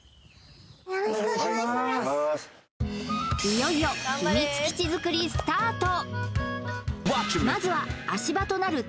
いよいよ秘密基地作りスタート